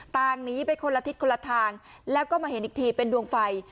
ต่างหนีไปคนละทิศคนละทางแล้วก็มาเห็นอีกทีเป็นดวงไฟ